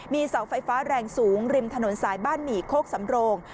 เสาไฟฟ้าแรงสูงริมถนนสายบ้านหมี่โคกสำโรง